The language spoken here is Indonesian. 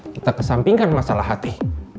kita kesampingkan masalah hati